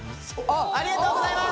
ありがとうございます！